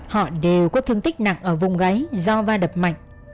họ đều có thương tích nặng ở vùng gáy do va đập mạnh